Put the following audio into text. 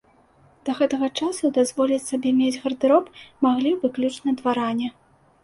Да гэтага часу дазволіць сабе мець гардэроб маглі выключна дваране.